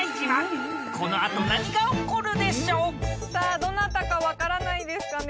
どなたか分からないですかね？